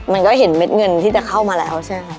มันก็เห็นเม็ดเงินที่จะเข้ามาแล้วใช่ไหม